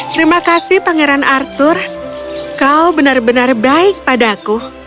terima kasih pangeran arthur kau benar benar baik padaku